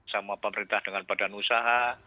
sama pemerintah dengan badan usaha